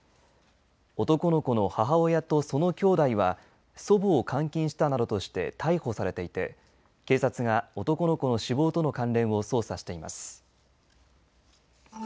男の子の母親とそのきょうだいは祖母を監禁したなどとして逮捕されていて警察が男の子の死亡との関連を捜査しています。